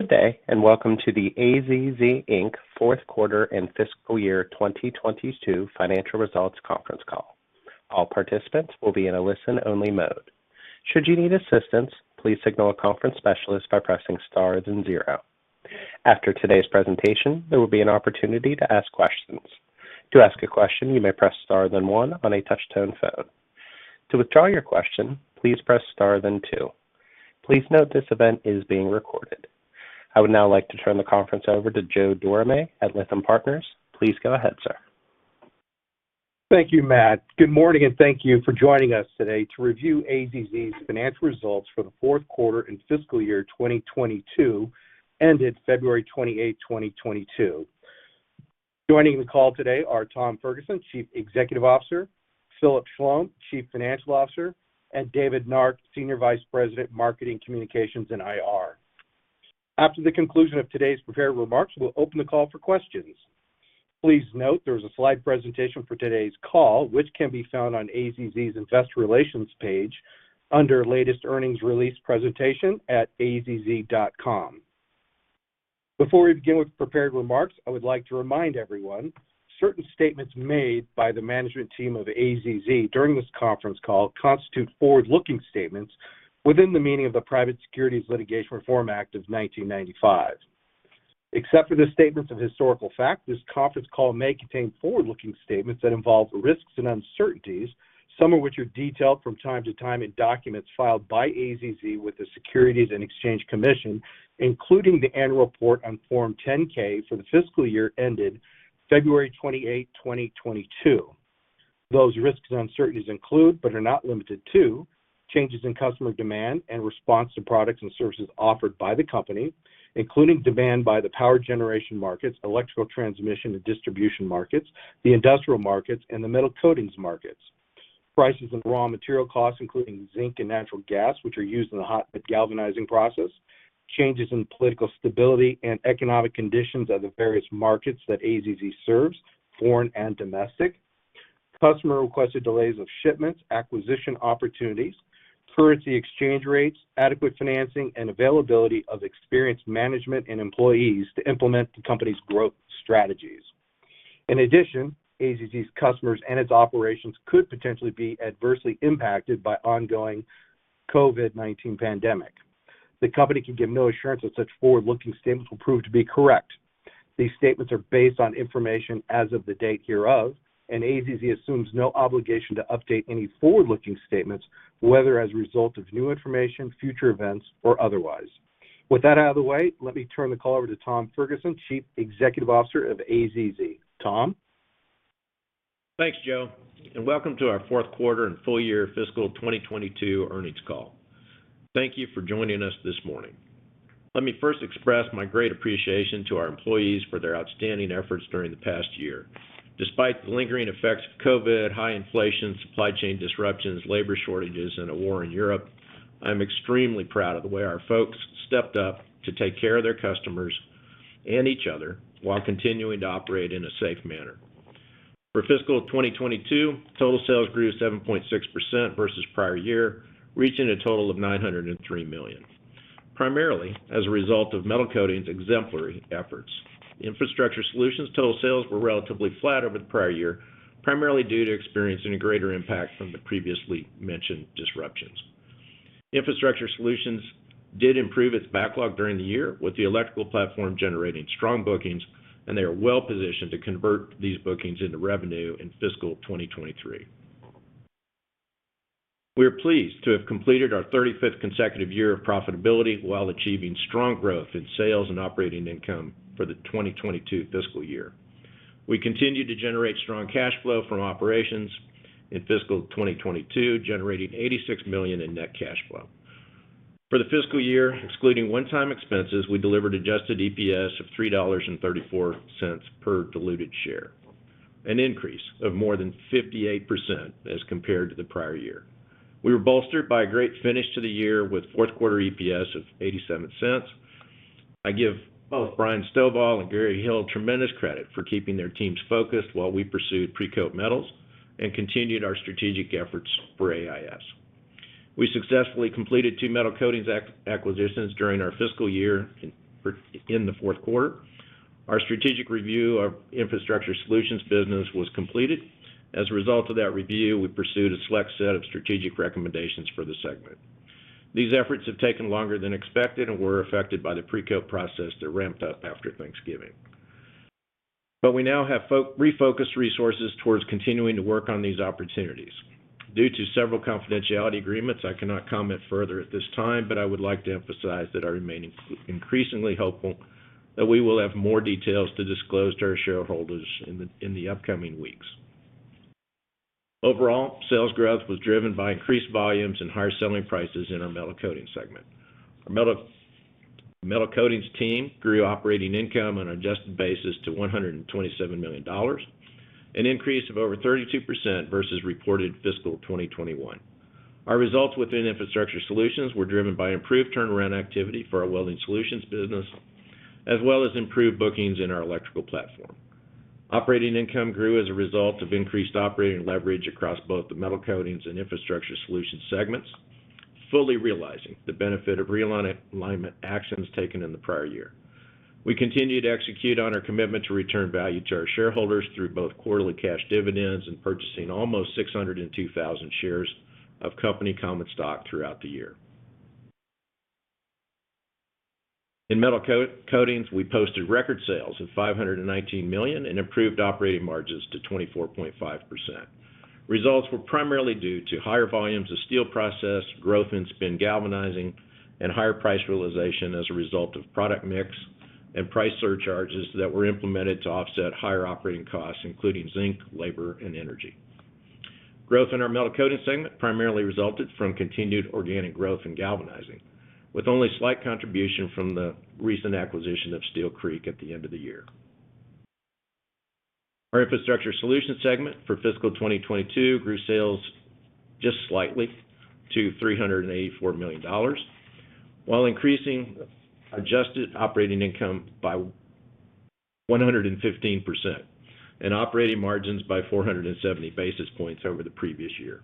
Good day, and welcome to the AZZ Inc. fourth quarter and fiscal year 2022 financial results conference call. All participants will be in a listen-only mode. Should you need assistance, please signal a conference specialist by pressing star then zero. After today's presentation, there will be an opportunity to ask questions. To ask a question, you may press star then one on a touch-tone phone. To withdraw your question, please press star then two. Please note this event is being recorded. I would now like to turn the conference over to Joe Dorame at Lytham Partners. Please go ahead, sir. Thank you, Matt. Good morning, and thank you for joining us today to review AZZ's financial results for the fourth quarter and fiscal year 2022, ended February 28, 2022. Joining the call today are Tom Ferguson, Chief Executive Officer, Philip Schlom, Chief Financial Officer, and David Nark, Senior Vice President, Marketing Communications and IR. After the conclusion of today's prepared remarks, we'll open the call for questions. Please note there is a slide presentation for today's call, which can be found on AZZ's Investor Relations page under Latest Earnings Release Presentation at azz.com. Before we begin with prepared remarks, I would like to remind everyone, certain statements made by the management team of AZZ during this conference call constitute forward-looking statements within the meaning of the Private Securities Litigation Reform Act of 1995. Except for the statements of historical fact, this conference call may contain forward-looking statements that involve risks and uncertainties, some of which are detailed from time to time in documents filed by AZZ with the Securities and Exchange Commission, including the annual report on Form 10-K for the fiscal year ended February 28, 2022. Those risks and uncertainties include, but are not limited to, changes in customer demand and response to products and services offered by the company, including demand by the power generation markets, electrical transmission and distribution markets, the industrial markets, and the metal coatings markets. Prices of raw material costs, including zinc and natural gas, which are used in the hot-dip galvanizing process, changes in political stability and economic conditions of the various markets that AZZ serves, foreign and domestic, customer-requested delays of shipments, acquisition opportunities, currency exchange rates, adequate financing, and availability of experienced management and employees to implement the company's growth strategies. In addition, AZZ's customers and its operations could potentially be adversely impacted by ongoing COVID-19 pandemic. The company can give no assurance that such forward-looking statements will prove to be correct. These statements are based on information as of the date hereof, and AZZ assumes no obligation to update any forward-looking statements, whether as a result of new information, future events, or otherwise. With that out of the way, let me turn the call over to Tom Ferguson, Chief Executive Officer of AZZ. Tom? Thanks, Joe, and welcome to our fourth quarter and full year fiscal 2022 earnings call. Thank you for joining us this morning. Let me first express my great appreciation to our employees for their outstanding efforts during the past year. Despite the lingering effects of COVID, high inflation, supply chain disruptions, labor shortages, and a war in Europe, I'm extremely proud of the way our folks stepped up to take care of their customers and each other while continuing to operate in a safe manner. For fiscal 2022, total sales grew 7.6% versus prior year, reaching a total of $903 million, primarily as a result of Metal Coatings exemplary efforts. Infrastructure Solutions total sales were relatively flat over the prior year, primarily due to experiencing a greater impact from the previously mentioned disruptions. Infrastructure Solutions did improve its backlog during the year, with the electrical platform generating strong bookings, and they are well-positioned to convert these bookings into revenue in fiscal 2023. We are pleased to have completed our 35th consecutive year of profitability while achieving strong growth in sales and operating income for the 2022 fiscal year. We continued to generate strong cash flow from operations in fiscal 2022, generating $86 million in net cash flow. For the fiscal year, excluding one-time expenses, we delivered adjusted EPS of $3.34 per diluted share, an increase of more than 58% as compared to the prior year. We were bolstered by a great finish to the year with fourth quarter EPS of $0.87. I give both Bryan Stovall and Gary Hill tremendous credit for keeping their teams focused while we pursued Precoat Metals and continued our strategic efforts for AIS. We successfully completed two Metal Coatings acquisitions during our fiscal year in the fourth quarter. Our strategic review of Infrastructure Solutions business was completed. As a result of that review, we pursued a select set of strategic recommendations for the segment. These efforts have taken longer than expected and were affected by the Precoat process that ramped up after Thanksgiving. We now have refocused resources towards continuing to work on these opportunities. Due to several confidentiality agreements, I cannot comment further at this time, but I would like to emphasize that I remain increasingly hopeful that we will have more details to disclose to our shareholders in the upcoming weeks. Overall, sales growth was driven by increased volumes and higher selling prices in our Metal Coatings segment. Our Metal Coatings team grew operating income on an adjusted basis to $127 million, an increase of over 32% versus reported fiscal 2021. Our results within Infrastructure Solutions were driven by improved turnaround activity for our welding solutions business, as well as improved bookings in our electrical platform. Operating income grew as a result of increased operating leverage across both the Metal Coatings and Infrastructure Solutions segments, fully realizing the benefit of realignment actions taken in the prior year. We continue to execute on our commitment to return value to our shareholders through both quarterly cash dividends and purchasing almost 602,000 shares of company common stock throughout the year. In Metal Coatings, we posted record sales of $519 million and improved operating margins to 24.5%. Results were primarily due to higher volumes of steel processing, growth in spin galvanizing, and higher price realization as a result of product mix and price surcharges that were implemented to offset higher operating costs, including zinc, labor, and energy. Growth in our Metal Coatings segment primarily resulted from continued organic growth in galvanizing, with only slight contribution from the recent acquisition of Steel Creek at the end of the year. Our Infrastructure Solutions segment for fiscal 2022 grew sales just slightly to $384 million, while increasing adjusted operating income by 115% and operating margins by 470 basis points over the previous year.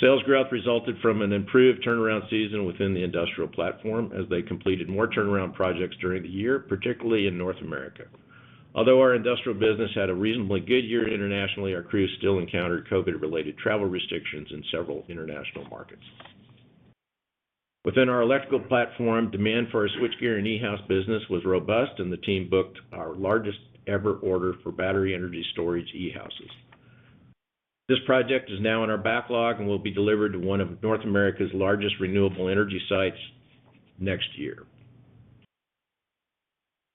Sales growth resulted from an improved turnaround season within the industrial platform as they completed more turnaround projects during the year, particularly in North America. Although our industrial business had a reasonably good year internationally, our crews still encountered COVID-related travel restrictions in several international markets. Within our electrical platform, demand for our switchgear and e-house business was robust, and the team booked our largest-ever order for battery energy storage e-houses. This project is now in our backlog and will be delivered to one of North America's largest renewable energy sites next year.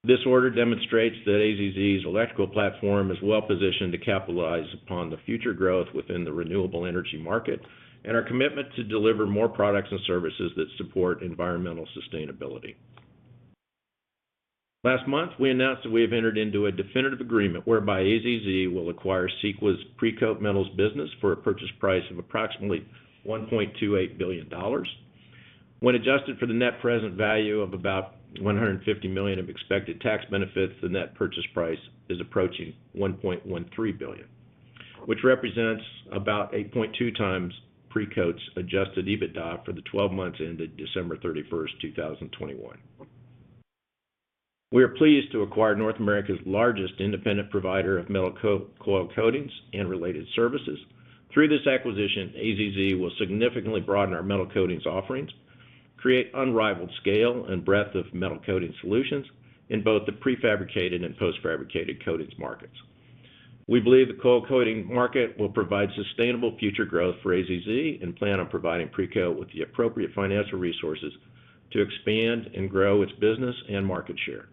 This order demonstrates that AZZ's electrical platform is well-positioned to capitalize upon the future growth within the renewable energy market and our commitment to deliver more products and services that support environmental sustainability. Last month, we announced that we have entered into a definitive agreement whereby AZZ will acquire Sequa's Precoat Metals business for a purchase price of approximately $1.28 billion. When adjusted for the net present value of about $150 million of expected tax benefits, the net purchase price is approaching $1.13 billion, which represents about 8.2 times Precoat's adjusted EBITDA for the twelve months ended December 31, 2021. We are pleased to acquire North America's largest independent provider of metal coil coatings and related services. Through this acquisition, AZZ will significantly broaden our Metal Coatings offerings, create unrivaled scale and breadth of Metal Coatings solutions in both the prefabricated and post-fabricated coatings markets. We believe the coil coating market will provide sustainable future growth for AZZ and plan on providing Precoat with the appropriate financial resources to expand and grow its business and market share.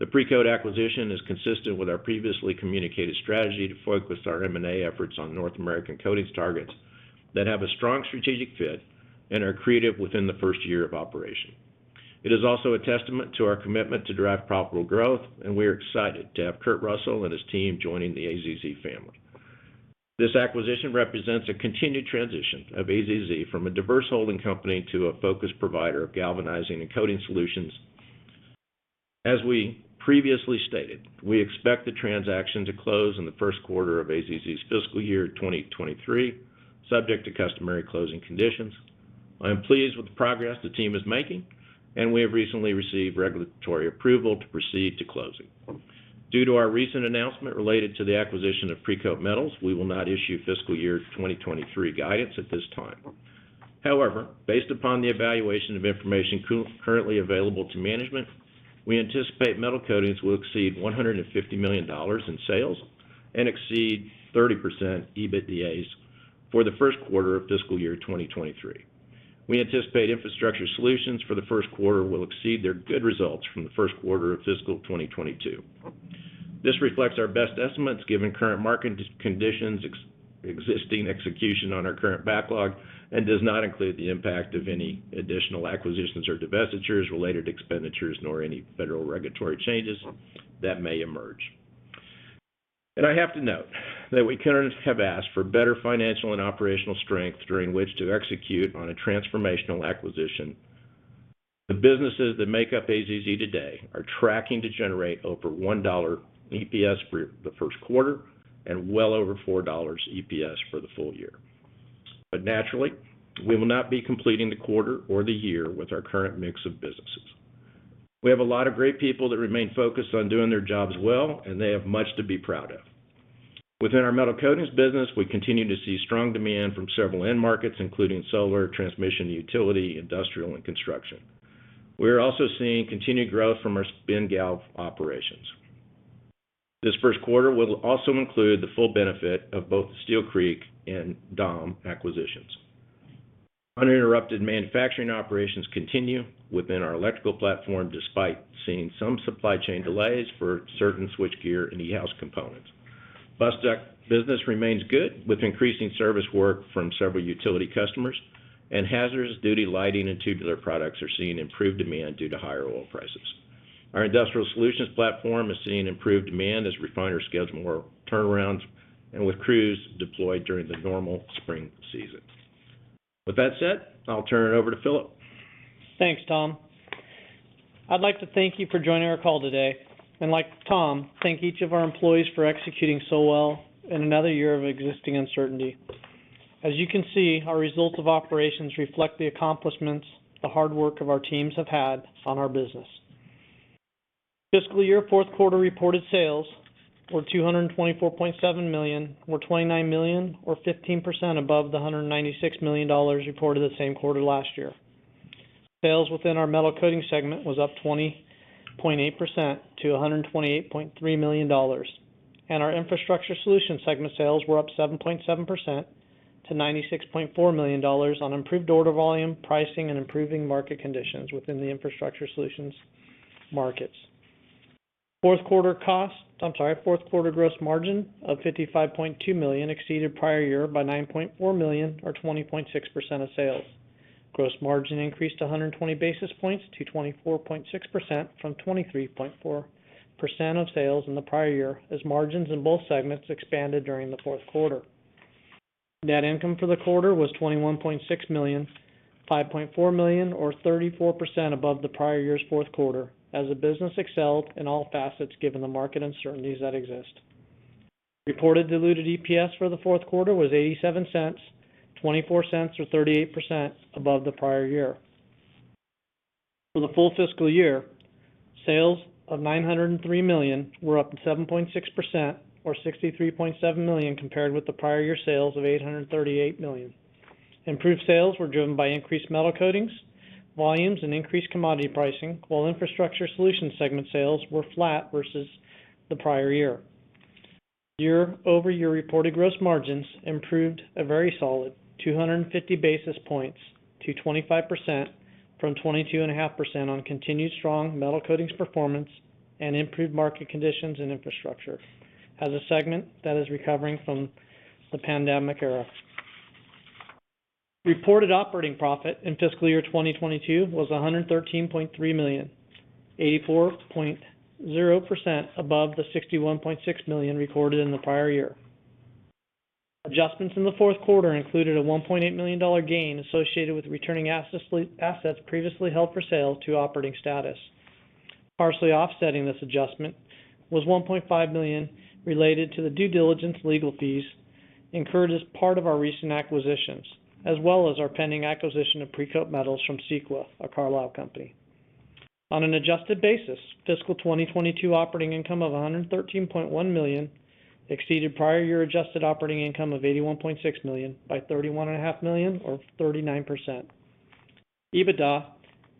The Precoat acquisition is consistent with our previously communicated strategy to focus our M&A efforts on North American coatings targets that have a strong strategic fit and are accretive within the first year of operation. It is also a testament to our commitment to drive profitable growth, and we are excited to have Kurt Russell and his team joining the AZZ family. This acquisition represents a continued transition of AZZ from a diverse holding company to a focused provider of galvanizing and coating solutions. As we previously stated, we expect the transaction to close in the first quarter of AZZ's fiscal year 2023, subject to customary closing conditions. I am pleased with the progress the team is making, and we have recently received regulatory approval to proceed to closing. Due to our recent announcement related to the acquisition of Precoat Metals, we will not issue fiscal year 2023 guidance at this time. However, based upon the evaluation of information currently available to management, we anticipate Metal Coatings will exceed $150 million in sales and exceed 30% EBITDA for the first quarter of fiscal year 2023. We anticipate Infrastructure Solutions for the first quarter will exceed their good results from the first quarter of fiscal 2022. This reflects our best estimates given current market conditions, existing execution on our current backlog, and does not include the impact of any additional acquisitions or divestitures, related expenditures, nor any federal regulatory changes that may emerge. I have to note that we couldn't have asked for better financial and operational strength during which to execute on a transformational acquisition. The businesses that make up AZZ today are tracking to generate over $1 EPS for the first quarter and well over $4 EPS for the full year. Naturally, we will not be completing the quarter or the year with our current mix of businesses. We have a lot of great people that remain focused on doing their jobs well, and they have much to be proud of. Within our Metal Coatings business, we continue to see strong demand from several end markets, including solar, transmission, utility, industrial, and construction. We are also seeing continued growth from our spin galv operations. This first quarter will also include the full benefit of both Steel Creek and DAAM acquisitions. Uninterrupted manufacturing operations continue within our electrical platform, despite seeing some supply chain delays for certain switchgear and e-house components. Bus duct business remains good, with increasing service work from several utility customers, and hazardous duty lighting and tubular products are seeing improved demand due to higher oil prices. Our Industrial Solutions platform is seeing improved demand as refiners schedule more turnarounds and with crews deployed during the normal spring season. With that said, I'll turn it over to Philip. Thanks, Tom. I'd like to thank you for joining our call today, and like Tom, thank each of our employees for executing so well in another year of existing uncertainty. As you can see, our results of operations reflect the accomplishments the hard work of our teams have had on our business. Fiscal year fourth quarter reported sales were $224.7 million, were $29 million or 15% above the $196 million reported the same quarter last year. Sales within our Metal Coatings segment was up 20.8% to $128.3 million, and our Infrastructure Solutions segment sales were up 7.7% to $96.4 million on improved order volume, pricing, and improving market conditions within the Infrastructure Solutions markets. Fourth quarter cost... I'm sorry, fourth quarter gross margin of $55.2 million exceeded prior year by $9.4 million or 20.6% of sales. Gross margin increased 120 basis points to 24.6% from 23.4% of sales in the prior year, as margins in both segments expanded during the fourth quarter. Net income for the quarter was $21.6 million, $5.4 million or 34% above the prior year's fourth quarter as the business excelled in all facets, given the market uncertainties that exist. Reported diluted EPS for the fourth quarter was $0.87, $0.24 or 38% above the prior year. For the full fiscal year, sales of $903 million were up 7.6% or $63.7 million compared with the prior year sales of $838 million. Improved sales were driven by increased Metal Coatings volumes and increased commodity pricing, while Infrastructure Solutions segment sales were flat versus the prior year. Year-over-year reported gross margins improved a very solid 250 basis points to 25% from 22.5% on continued strong Metal Coatings performance and improved market conditions and Infrastructure Solutions as a segment that is recovering from the pandemic era. Reported operating profit in fiscal year 2022 was $113.3 million, 84.0% above the $61.6 million recorded in the prior year. Adjustments in the fourth quarter included a $1.8 million gain associated with returning assets previously held for sale to operating status. Partially offsetting this adjustment was $1.5 million related to the due diligence legal fees incurred as part of our recent acquisitions, as well as our pending acquisition of Precoat Metals from Sequa, a Carlyle company. On an adjusted basis, fiscal 2022 operating income of $113.1 million exceeded prior year adjusted operating income of $81.6 million by $31.5 million or 39%. EBITDA,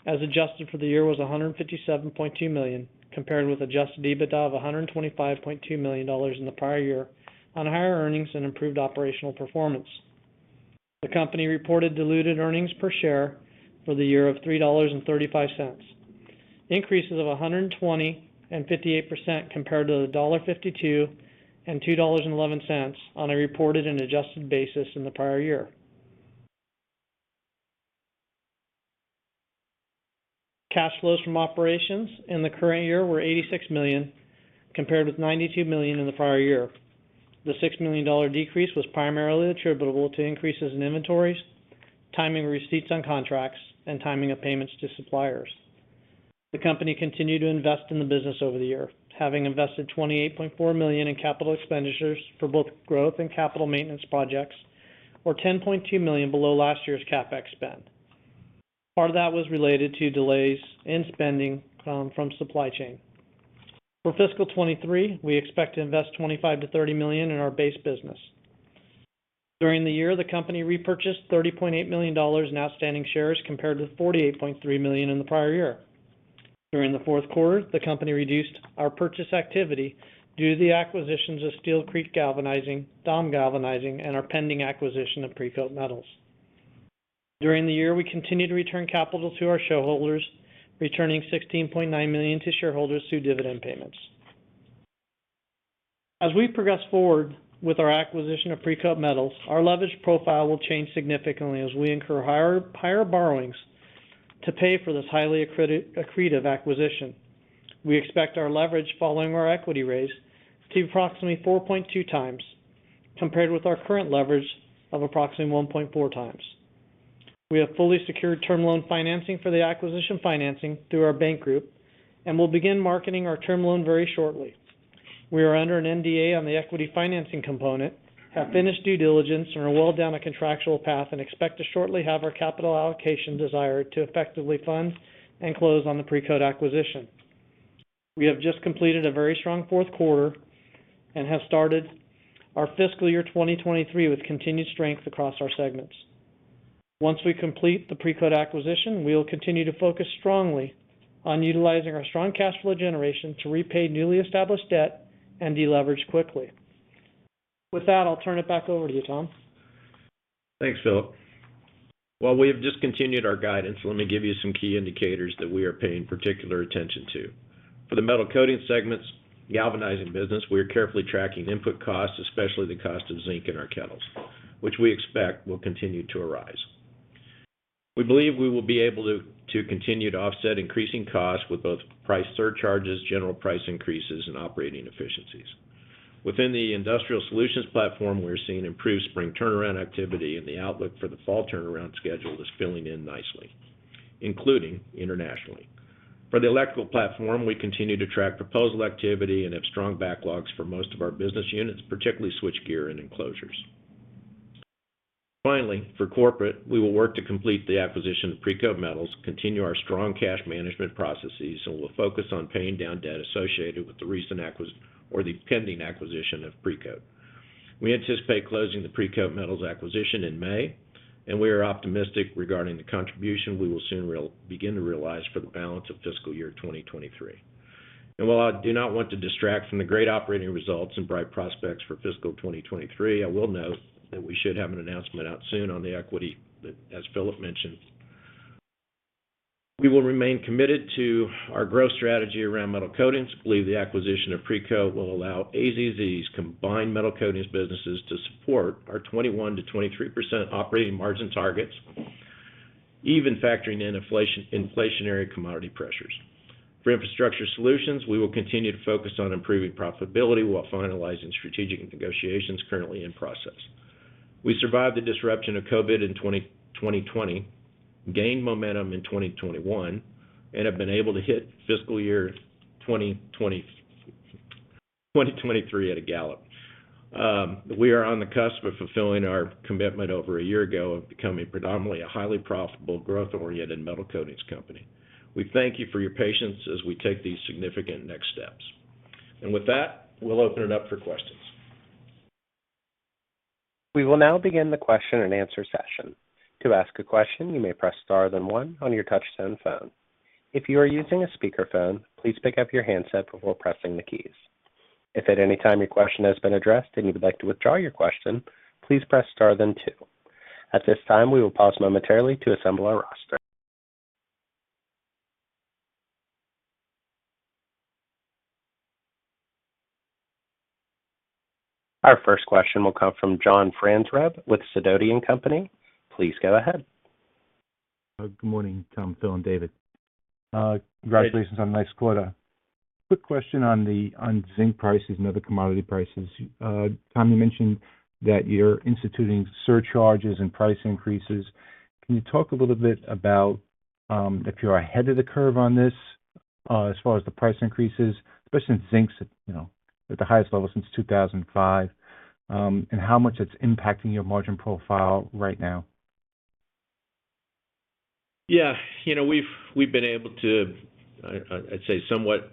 as adjusted for the year, was $157.2 million, compared with adjusted EBITDA of $125.2 million in the prior year on higher earnings and improved operational performance. The company reported diluted earnings per share for the year of $3.35, increases of 120% and 58% compared to the $1.52 and $2.11 on a reported and adjusted basis in the prior year. Cash flows from operations in the current year were $86 million, compared with $92 million in the prior year. The $6 million decrease was primarily attributable to increases in inventories, timing of receipts on contracts, and timing of payments to suppliers. The company continued to invest in the business over the year, having invested $28.4 million in capital expenditures for both growth and capital maintenance projects, or $10.2 million below last year's CapEx spend. Part of that was related to delays in spending from supply chain. For fiscal 2023, we expect to invest $25 million-$30 million in our base business. During the year, the company repurchased $30.8 million in outstanding shares, compared with $48.3 million in the prior year. During the fourth quarter, the company reduced our purchase activity due to the acquisitions of Steel Creek Galvanizing, DAAM Galvanizing, and our pending acquisition of Precoat Metals. During the year, we continued to return capital to our shareholders, returning $16.9 million to shareholders through dividend payments. As we progress forward with our acquisition of Precoat Metals, our leverage profile will change significantly as we incur higher borrowings to pay for this highly accretive acquisition. We expect our leverage following our equity raise to approximately 4.2 times, compared with our current leverage of approximately 1.4 times. We have fully secured term loan financing for the acquisition financing through our bank group, and we'll begin marketing our term loan very shortly. We are under an NDA on the equity financing component, have finished due diligence, and are well down a contractual path and expect to shortly have our capital allocation desired to effectively fund and close on the Precoat acquisition. We have just completed a very strong fourth quarter and have started our fiscal year 2023 with continued strength across our segments. Once we complete the Precoat acquisition, we will continue to focus strongly on utilizing our strong cash flow generation to repay newly established debt and deleverage quickly. With that, I'll turn it back over to you, Tom. Thanks, Phil. While we have discontinued our guidance, let me give you some key indicators that we are paying particular attention to. For the Metal Coatings segment's galvanizing business, we are carefully tracking input costs, especially the cost of zinc in our kettles, which we expect will continue to rise. We believe we will be able to continue to offset increasing costs with both price surcharges, general price increases, and operating efficiencies. Within the Infrastructure Solutions platform, we're seeing improved spring turnaround activity, and the outlook for the fall turnaround schedule is filling in nicely, including internationally. For the electrical platform, we continue to track proposal activity and have strong backlogs for most of our business units, particularly switchgear and enclosures. Finally, for corporate, we will work to complete the acquisition of Precoat Metals, continue our strong cash management processes, and we'll focus on paying down debt associated with the recent or the pending acquisition of Precoat. We anticipate closing the Precoat Metals acquisition in May, and we are optimistic regarding the contribution we will soon to realize for the balance of fiscal year 2023. While I do not want to distract from the great operating results and bright prospects for fiscal 2023, I will note that we should have an announcement out soon on the equity that, as Philip mentioned. We will remain committed to our growth strategy around Metal Coatings. We believe the acquisition of Precoat will allow AZZ's combined Metal Coatings businesses to support our 21%-23% operating margin targets, even factoring in inflationary commodity pressures. For Infrastructure Solutions, we will continue to focus on improving profitability while finalizing strategic negotiations currently in process. We survived the disruption of COVID in 2020, gained momentum in 2021, and have been able to hit fiscal year 2023 at a gallop. We are on the cusp of fulfilling our commitment over a year ago of becoming predominantly a highly profitable, growth-oriented Metal Coatings company. We thank you for your patience as we take these significant next steps. With that, we'll open it up for questions. We will now begin the question-and-answer session. To ask a question, you may press star then one on your touchtone phone. If you are using a speakerphone, please pick up your handset before pressing the keys. If at any time your question has been addressed and you would like to withdraw your question, please press star then two. At this time, we will pause momentarily to assemble our roster. Our first question will come from John Franzreb with Sidoti & Company. Please go ahead. Good morning, Tom, Phil, and David. Congratulations on a nice quarter. Quick question on zinc prices and other commodity prices. Tom, you mentioned that you're instituting surcharges and price increases. Can you talk a little bit about if you're ahead of the curve on this as far as the price increases, especially in zinc, you know, at the highest level since 2005 and how much it's impacting your margin profile right now? You know, we've been able to, I'd say, somewhat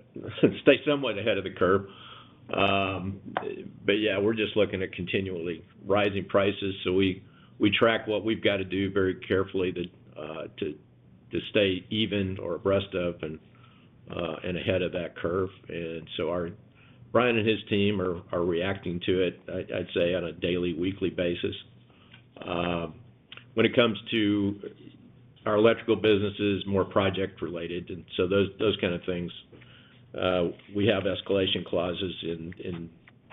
stay ahead of the curve. We're just looking at continually rising prices, so we track what we've got to do very carefully to stay even or abreast of and ahead of that curve. Our Bryan and his team are reacting to it, I'd say, on a daily, weekly basis. When it comes to our electrical businesses, more project related, and so those kind of things, we have escalation clauses in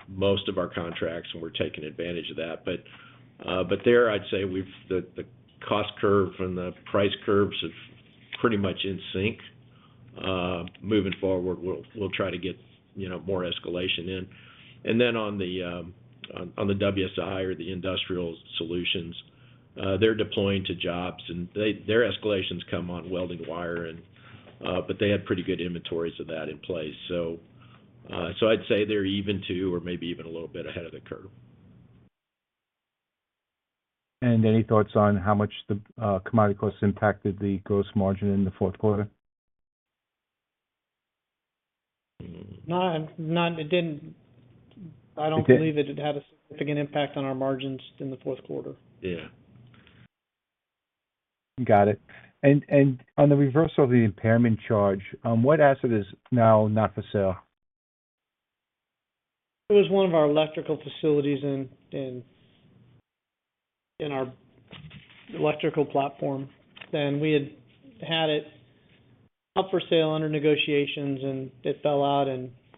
most of our contracts, and we're taking advantage of that. There, I'd say, the cost curve and the price curves are pretty much in sync. Moving forward, we'll try to get, you know, more escalation in. On the WSI or the Infrastructure Solutions, they're deploying to jobs, and their escalations come on welding wire, but they have pretty good inventories of that in place. I'd say they're even to or maybe even a little bit ahead of the curve. Any thoughts on how much the commodity costs impacted the gross margin in the fourth quarter? No, none. I don't believe that it had a significant impact on our margins in the fourth quarter. Yeah. Got it. On the reversal of the impairment charge, what asset is now not for sale? It was one of our electrical facilities in our electrical platform. We had had it up for sale under negotiations, and it fell out.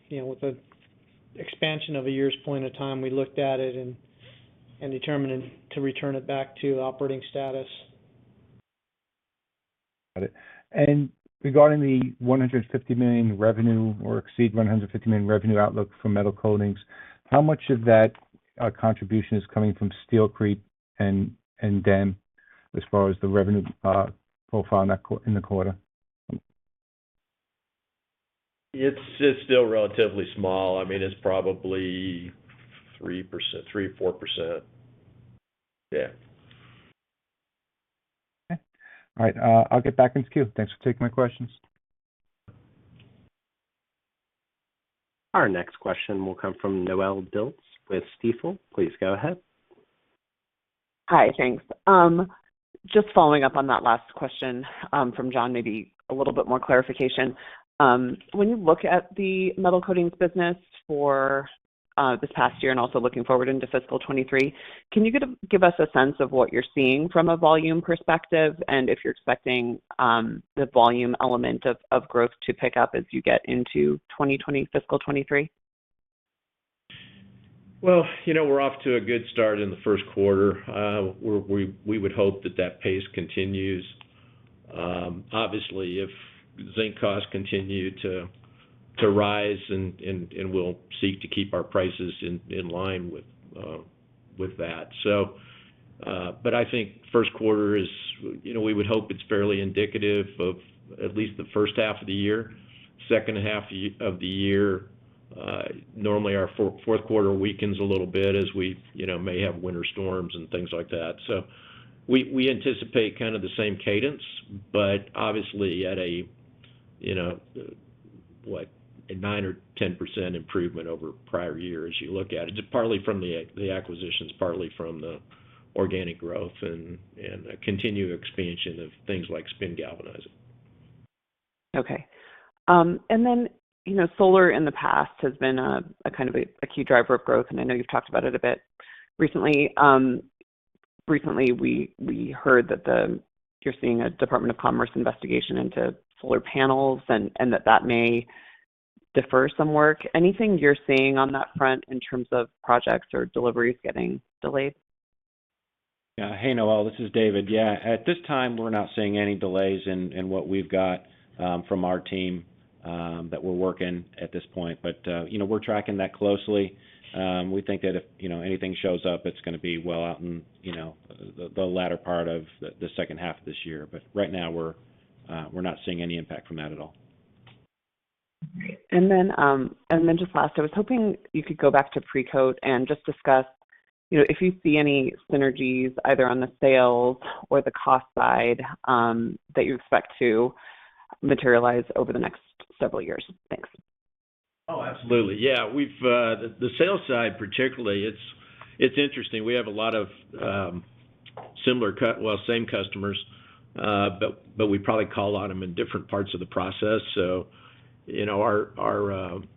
You know, with the expansion of a year's point of time, we looked at it and determined to return it back to operating status. Got it. Regarding the $150 million revenue or exceed $150 million revenue outlook for Metal Coatings, how much of that contribution is coming from Steel Creek and then as far as the revenue profile in that quarter? It's still relatively small. I mean, it's probably 3%, 3%-4%. Yeah. Okay. All right. I'll get back in queue. Thanks for taking my questions. Our next question will come from Noelle Dilts with Stifel. Please go ahead. Hi. Thanks. Just following up on that last question from John, maybe a little bit more clarification. When you look at the Metal Coatings business for this past year and also looking forward into fiscal 2023, can you give us a sense of what you're seeing from a volume perspective and if you're expecting the volume element of growth to pick up as you get into fiscal 2023? Well, you know, we're off to a good start in the first quarter. We would hope that pace continues. Obviously, if zinc costs continue to rise, and we'll seek to keep our prices in line with that. I think first quarter is, you know, we would hope it's fairly indicative of at least the first half of the year. Second half of the year, normally our fourth quarter weakens a little bit as we, you know, may have winter storms and things like that. We anticipate kind of the same cadence, but obviously at a 9% or 10% improvement over prior years. You look at it's partly from the acquisitions, partly from the organic growth and a continued expansion of things like spin galvanizing. Okay. You know, solar in the past has been a kind of a key driver of growth, and I know you've talked about it a bit. Recently, we heard that you're seeing a Department of Commerce investigation into solar panels and that may defer some work. Anything you're seeing on that front in terms of projects or deliveries getting delayed? Yeah. Hey, Noelle, this is David. Yeah, at this time, we're not seeing any delays in what we've got from our team that we're working at this point. But you know, we're tracking that closely. We think that if you know, anything shows up, it's gonna be well out in you know, the latter part of the second half of this year. But right now we're not seeing any impact from that at all. Great. Just last, I was hoping you could go back to Precoat and just discuss, you know, if you see any synergies either on the sales or the cost side, that you expect to materialize over the next several years. Thanks. Oh, absolutely. Yeah. We have the sales side particularly, it's interesting. We have a lot of same customers, but we probably call on them in different parts of the process. You know,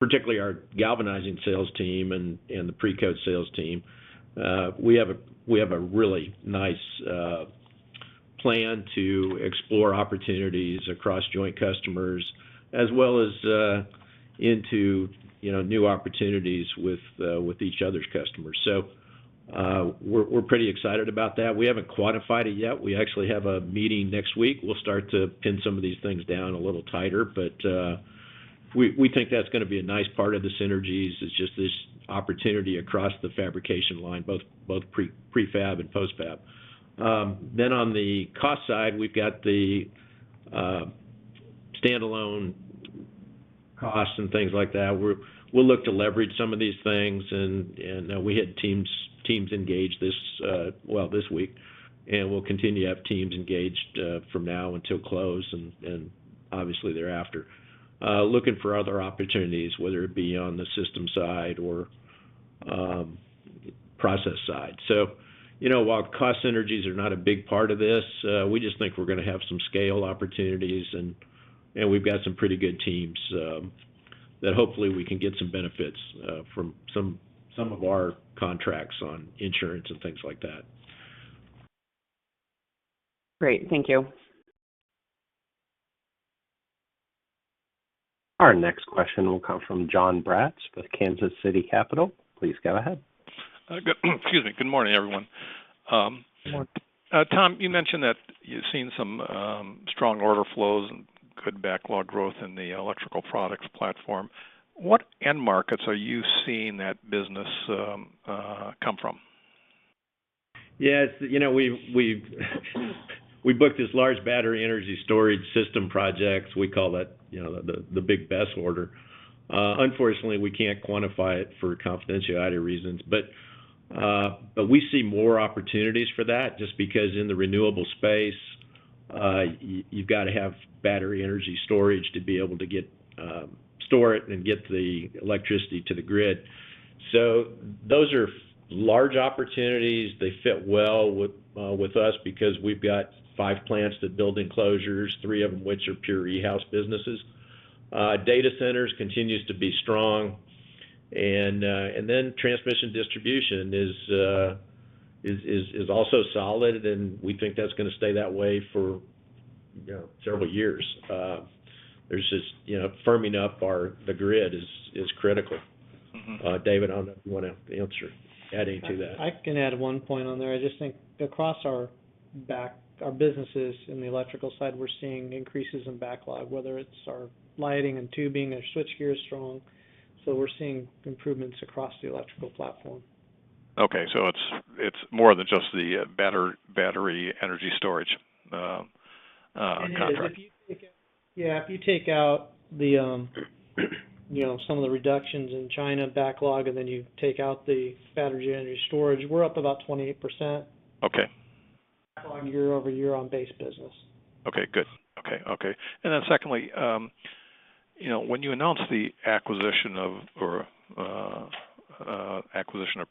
particularly our galvanizing sales team and the Precoat sales team, we have a really nice plan to explore opportunities across joint customers as well as into, you know, new opportunities with each other's customers. We're pretty excited about that. We haven't quantified it yet. We actually have a meeting next week. We'll start to pin some of these things down a little tighter. We think that's gonna be a nice part of the synergies, is just this opportunity across the fabrication line, both prefab and post fab. Then on the cost side, we've got the standalone costs and things like that. We'll look to leverage some of these things, and we had teams engaged this week. We'll continue to have teams engaged from now until close and obviously thereafter, looking for other opportunities, whether it be on the system side or process side. You know, while cost synergies are not a big part of this, we just think we're gonna have some scale opportunities and we've got some pretty good teams that hopefully we can get some benefits from some of our contracts on insurance and things like that. Great. Thank you. Our next question will come from Jon Braatz with Kansas City Capital. Please go ahead. Excuse me. Good morning, everyone. Good morning. Tom, you mentioned that you've seen some strong order flows and good backlog growth in the electrical products platform. What end markets are you seeing that business come from? Yeah. You know, we've booked this large battery energy storage system project. We call that, you know, the big BESS order. Unfortunately, we can't quantify it for confidentiality reasons. But we see more opportunities for that, just because in the renewable space, you've got to have battery energy storage to be able to store it and get the electricity to the grid. So those are large opportunities. They fit well with us because we've got five plants that build enclosures, three of which are pure e-house businesses. Data centers continues to be strong. Then transmission distribution is also solid, and we think that's gonna stay that way for, you know, several years. There's just firming up the grid is critical. Mm-hmm. David, I don't know if you wanna answer, adding to that. I can add one point on there. I just think across our businesses in the electrical side, we're seeing increases in backlog, whether it's our lighting and tubing or switchgear is strong. We're seeing improvements across the electrical platform. Okay. It's more than just the battery energy storage contract. It is. Yeah, if you take out some of the reductions in China backlog, and then you take out the battery energy storage, we're up about 28%. Okay... backlog year-over-year on base business. Okay, good. Secondly, you know, when you announced the acquisition of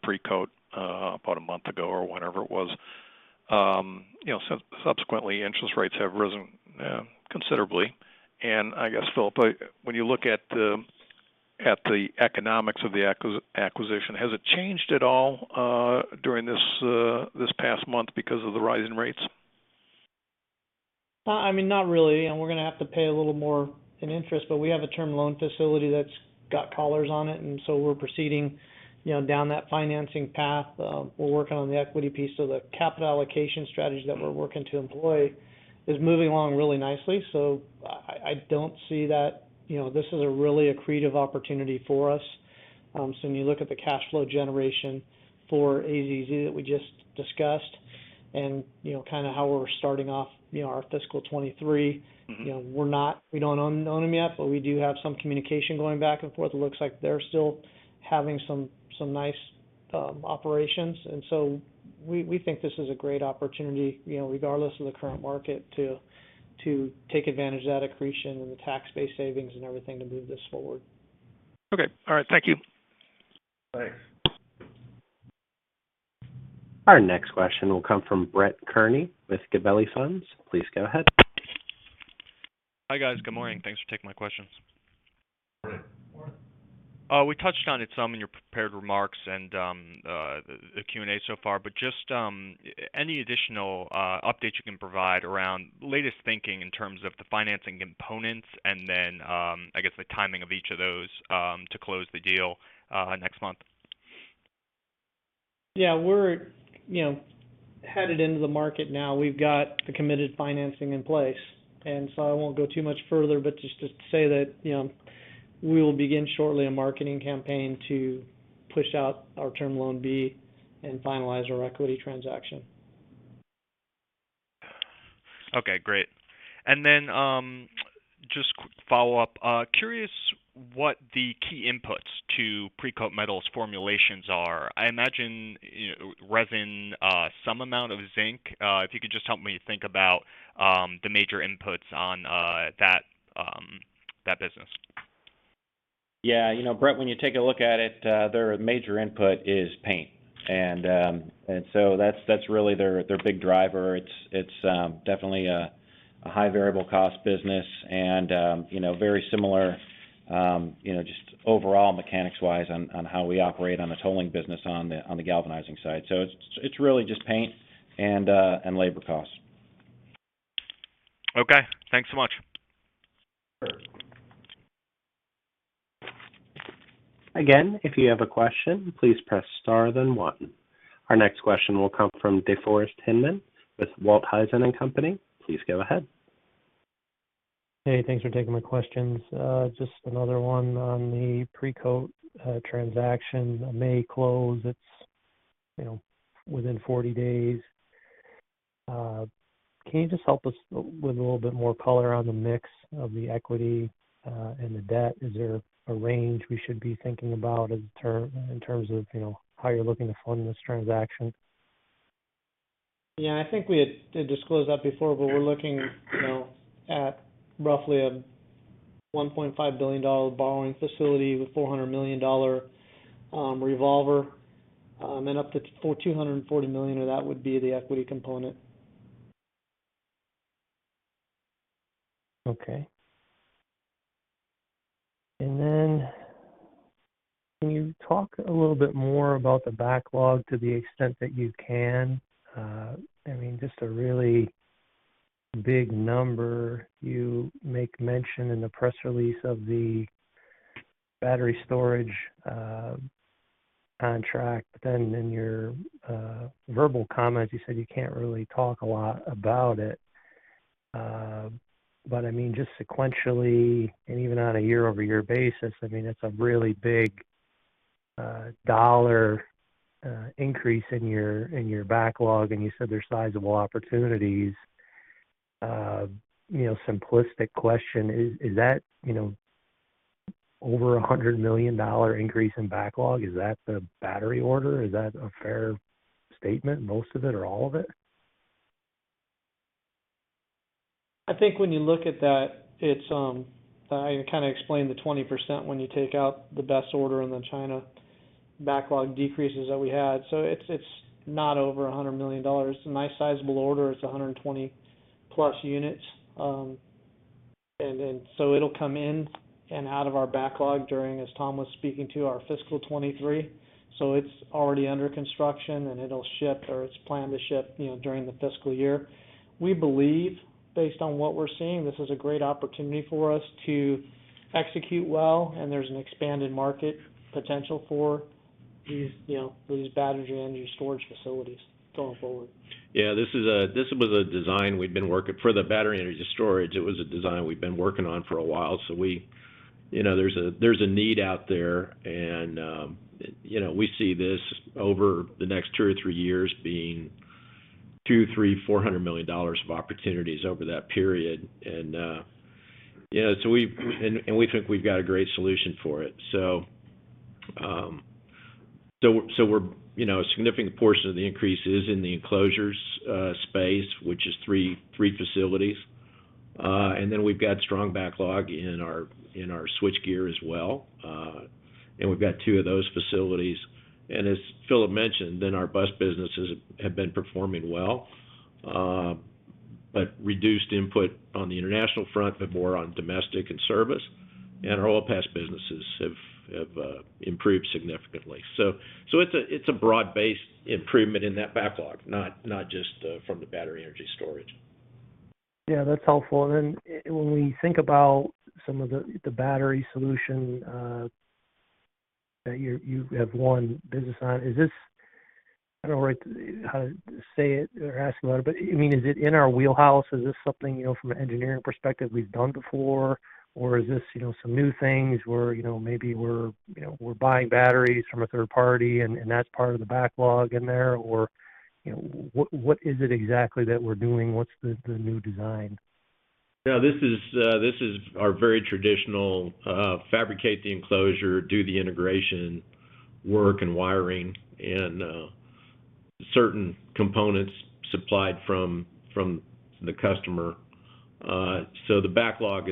Precoat, about a month ago or whenever it was, you know, subsequently, interest rates have risen considerably. I guess, Philip, when you look at the economics of the acquisition, has it changed at all during this past month because of the rising rates? I mean, not really. We're gonna have to pay a little more in interest, but we have a term loan facility that's got collars on it, and so we're proceeding, you know, down that financing path. We're working on the equity piece. The capital allocation strategy that we're working to employ is moving along really nicely. I don't see that. You know, this is a really accretive opportunity for us. When you look at the cash flow generation for AZZ that we just discussed and, you know, kind of how we're starting off, you know, our fiscal 2023 Mm-hmm. You know, we don't own them yet, but we do have some communication going back and forth. It looks like they're still having some nice operations. We think this is a great opportunity, you know, regardless of the current market, to take advantage of that accretion and the tax-based savings and everything to move this forward. Okay. All right. Thank you. Thanks. Our next question will come from Brett Kearney with Gabelli Funds. Please go ahead. Hi, guys. Good morning. Thanks for taking my questions. Good morning. We touched on it some in your prepared remarks and the Q&A so far, but just any additional updates you can provide around latest thinking in terms of the financing components and then, I guess, the timing of each of those to close the deal next month? Yeah, we're, you know, headed into the market now. We've got the committed financing in place, and so I won't go too much further, but just to say that, you know, we will begin shortly a marketing campaign to push out our Term Loan B and finalize our equity transaction. Okay, great. Just quick follow-up. Curious what the key inputs to Precoat Metals' formulations are. I imagine, you know, resin, some amount of zinc. If you could just help me think about the major inputs on that business. Yeah. You know, Brett, when you take a look at it, their major input is paint. That's really their big driver. It's definitely a high variable cost business and, you know, very similar, you know, just overall mechanics-wise on how we operate on the tolling business on the galvanizing side. It's really just paint and labor costs. Okay. Thanks so much. Sure. Again, if you have a question, please press star then one. Our next question will come from DeForest Hinman with Walthausen & Co., LLC. Please go ahead. Hey, thanks for taking my questions. Just another one on the Precoat transaction, a May close. It's, you know, within 40 days. Can you just help us with a little bit more color on the mix of the equity and the debt? Is there a range we should be thinking about in terms of, you know, how you're looking to fund this transaction? Yeah, I think we had disclosed that before, but we're looking, you know, at roughly a $1.5 billion borrowing facility with $400 million revolver, and up to $240 million of that would be the equity component. Okay. Can you talk a little bit more about the backlog to the extent that you can? I mean, just a really big number. You make mention in the press release of the battery storage contract, but then in your verbal comments, you said you can't really talk a lot about it. But I mean, just sequentially and even on a year-over-year basis, I mean, it's a really big dollar increase in your backlog, and you said they're sizable opportunities. You know, simplistic question, is that, you know, over $100 million increase in backlog? Is that the battery order? Is that a fair statement, most of it or all of it? I think when you look at that, it's. I kind of explained the 20% when you take out the BESS order in the China backlog decreases that we had. It's not over $100 million. A nice sizable order is 120+ units. It'll come in and out of our backlog during, as Tom was speaking to, our fiscal 2023. It's already under construction, and it'll ship or it's planned to ship, you know, during the fiscal year. We believe based on what we're seeing, this is a great opportunity for us to execute well, and there's an expanded market potential for these, you know, these battery energy storage facilities going forward. This was a design we've been working on for a while for the battery energy storage. You know, there's a need out there and you know, we see this over the next 2 or 3 years being $200-$400 million of opportunities over that period. You know, we think we've got a great solution for it. You know, a significant portion of the increase is in the enclosures space, which is 3 facilities. We've got strong backlog in our switchgear as well. We've got 2 of those facilities. As Philip mentioned, then our bus businesses have been performing well, but reduced input on the international front, but more on domestic and service. Our oil patch businesses have improved significantly. It's a broad-based improvement in that backlog, not just from the battery energy storage. Yeah, that's helpful. When we think about some of the battery solution that you have one business on. I don't know the right way to say it or ask about it, but I mean, is it in our wheelhouse? Is this something, you know, from an engineering perspective we've done before? Or is this, you know, some new things where, you know, maybe we're, you know, buying batteries from a third party and that's part of the backlog in there or, you know, what is it exactly that we're doing? What's the new design? Yeah, this is our very traditional fabricate the enclosure, do the integration work and wiring and certain components supplied from the customer. The backlog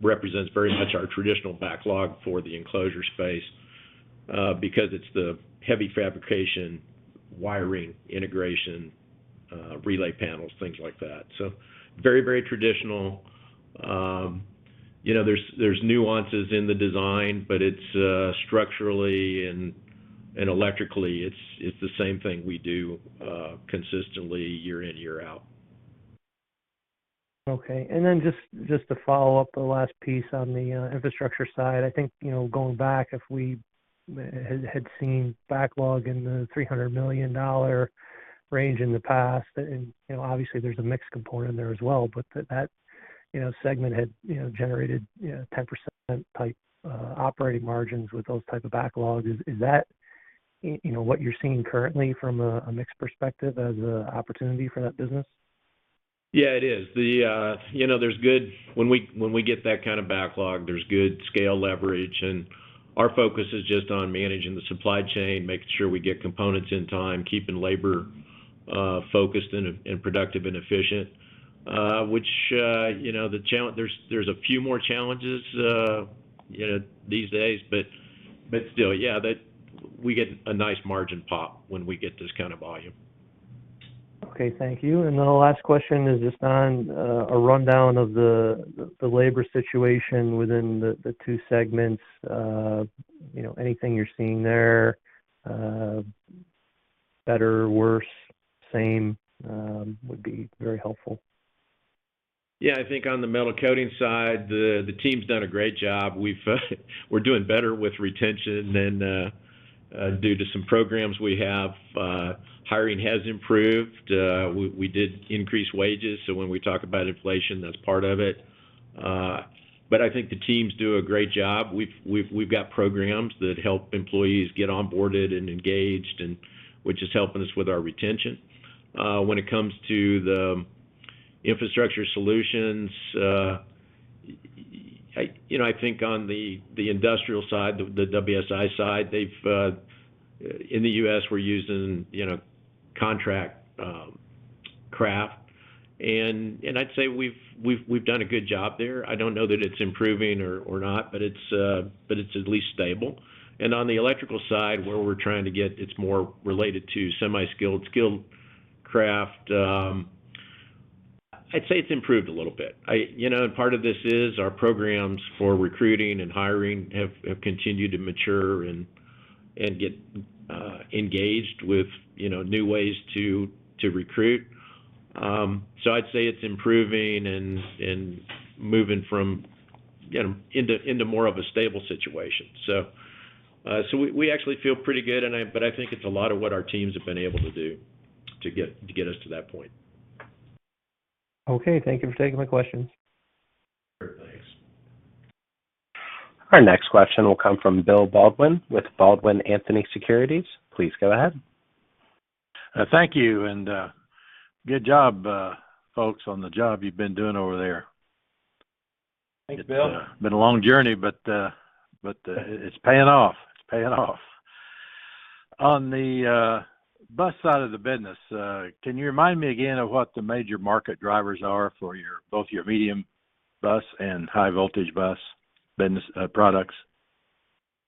represents very much our traditional backlog for the enclosure space because it's the heavy fabrication, wiring, integration, relay panels, things like that. Very, very traditional. You know, there's nuances in the design, but it's structurally and electrically, it's the same thing we do consistently year in, year out. Okay. Then just to follow up the last piece on the Infrastructure Solutions side. I think you know going back if we had seen backlog in the $300 million range in the past and you know obviously there's a mix component there as well. But that you know segment had you know generated you know 10% type operating margins with those type of backlogs. Is that you know what you're seeing currently from a mix perspective as a opportunity for that business? Yeah, it is. When we get that kind of backlog, there's good scale leverage, and our focus is just on managing the supply chain, making sure we get components in time, keeping labor focused and productive and efficient. There's a few more challenges these days, but still, yeah, that we get a nice margin pop when we get this kind of volume. Okay, thank you. The last question is just on a rundown of the labor situation within the two segments. You know, anything you're seeing there, better, worse, same, would be very helpful. Yeah. I think on the Metal Coatings side, the team's done a great job. We're doing better with retention than due to some programs we have. Hiring has improved. We did increase wages, so when we talk about inflation, that's part of it. But I think the teams do a great job. We've got programs that help employees get onboarded and engaged, which is helping us with our retention. When it comes to the Infrastructure Solutions, you know, I think on the industrial side, the WSI side, they've in the U.S., we're using contract craft. I'd say we've done a good job there. I don't know that it's improving or not, but it's at least stable. On the electrical side, where we're trying to get, it's more related to semi-skilled, skilled craft. I'd say it's improved a little bit. You know, part of this is our programs for recruiting and hiring have continued to mature and get engaged with, you know, new ways to recruit. I'd say it's improving and moving into more of a stable situation. We actually feel pretty good. I think it's a lot of what our teams have been able to do to get us to that point. Okay. Thank you for taking my questions. Sure thing. Our next question will come from Bill Baldwin with Baldwin Anthony Securities. Please go ahead. Thank you, and good job, folks, on the job you've been doing over there. Thanks, Bill. It's been a long journey, but it's paying off. On the bus side of the business, can you remind me again of what the major market drivers are for both your medium voltage bus and high voltage bus business products?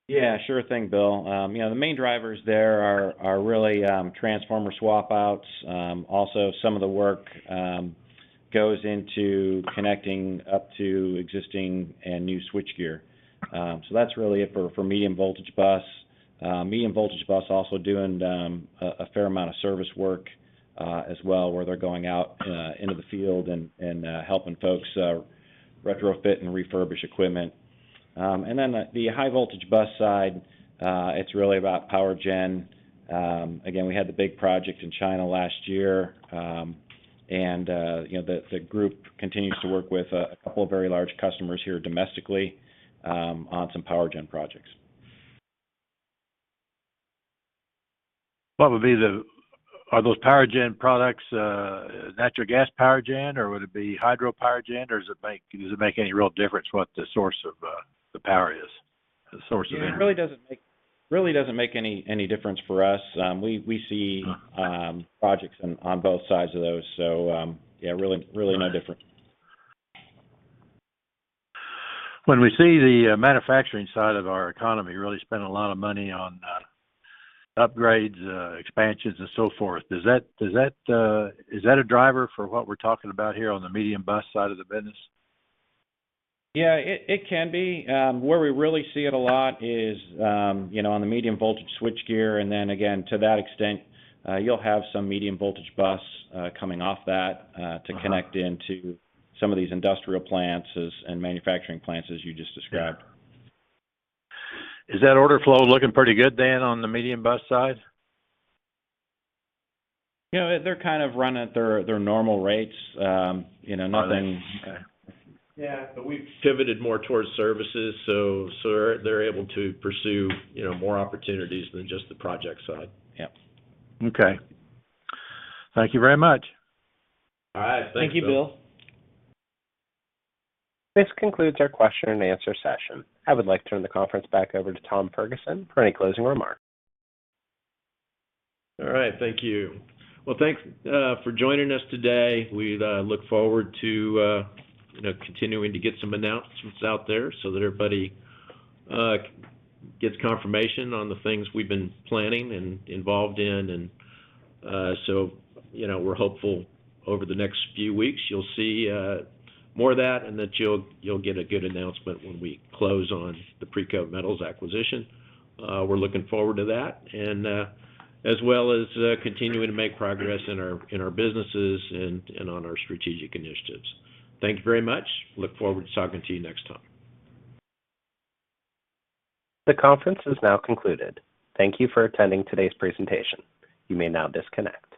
Yeah, sure thing, Bill. You know, the main drivers there are really transformer swap outs. Also some of the work goes into connecting up to existing and new switchgear. That's really it for medium voltage bus. Medium voltage bus also doing a fair amount of service work as well, where they're going out into the field and helping folks retrofit and refurbish equipment. Then the high voltage bus side, it's really about power gen. Again, we had the big project in China last year. You know, the group continues to work with a couple of very large customers here domestically on some power gen projects. Are those power gen products natural gas power gen, or would it be hydro power gen, or does it make any real difference what the source of the power is, the source of energy? Yeah, it really doesn't make any difference for us. We see- Uh. Projects on both sides of those. Yeah, really no difference. When we see the manufacturing side of our economy really spend a lot of money on upgrades, expansions and so forth, does that is that a driver for what we're talking about here on the medium bus side of the business? Yeah, it can be. Where we really see it a lot is, you know, on the medium voltage switchgear. Then again, to that extent, you'll have some medium voltage bus coming off that to connect into some of these industrial plants and manufacturing plants as you just described. Is that order flow looking pretty good and on the medium bus side? You know, they're kind of running at their normal rates. You know, nothing Are they? Okay. Yeah. We've pivoted more towards services, so they're able to pursue, you know, more opportunities than just the project side. Yeah. Okay. Thank you very much. All right. Thanks, Bill. Thank you, Bill. This concludes our question and answer session. I would like to turn the conference back over to Tom Ferguson for any closing remarks. All right. Thank you. Well, thanks for joining us today. We look forward to you know, continuing to get some announcements out there so that everybody gets confirmation on the things we've been planning and involved in. You know, we're hopeful over the next few weeks, you'll see more of that and that you'll get a good announcement when we close on the Precoat Metals acquisition. We're looking forward to that and as well as continuing to make progress in our businesses and on our strategic initiatives. Thank you very much. We look forward to talking to you next time. The conference is now concluded. Thank you for attending today's presentation. You may now disconnect.